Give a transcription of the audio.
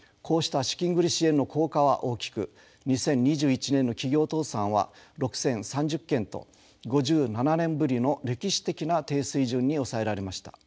こうした資金繰り支援の効果は大きく２０２１年の企業倒産は６，０３０件と５７年ぶりの歴史的な低水準に抑えられました。